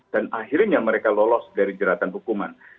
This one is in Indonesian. dan akhirnya mereka lolos dari jeratan hukuman